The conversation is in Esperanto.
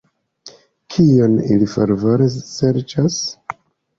Kion ili fervore serĉas?